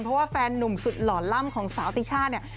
เพราะว่าแฟนนุ่มสุดหล่อล่ำของสาวติชาติเนี่ย